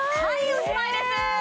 おしまいです